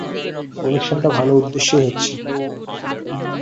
অনুষ্ঠানটা ভালো উদ্দেশ্যেই হচ্ছে।